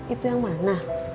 itu yang mana